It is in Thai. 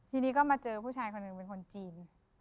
ทีนี้ก็มาเจอผู้ชายคนหนึ่งเป็นคนจีน